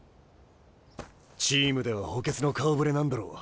チームでは補欠の顔ぶれなんだろう。